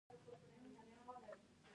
ټول قومونه افغانان دي